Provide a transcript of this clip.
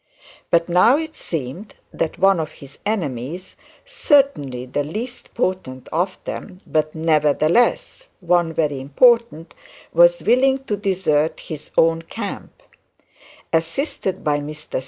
But now it seemed that one of his enemies, certainly the least potent of them, but nevertheless one very important, was willing to desert his own camp.